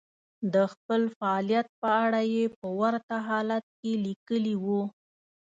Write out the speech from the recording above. د خپل فعاليت په اړه يې په ورته حالت کې ليکلي وو.